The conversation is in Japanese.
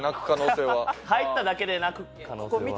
入っただけで泣く可能性は。